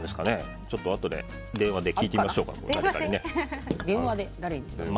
ちょっとあとで電話で聞いてみましょう。